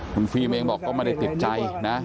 คุณฟิรมอิยังบอกว่ามันไม่ได้ติดใจนะ